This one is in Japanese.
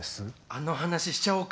あの話しちゃおうか。